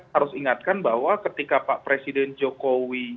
harus ingatkan bahwa ketika pak presiden jokowi